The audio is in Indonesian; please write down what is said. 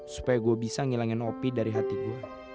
supaya gua bisa ngilangin opie dari hati gua